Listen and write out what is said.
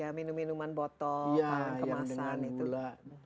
ya minum minuman botol kemasan itu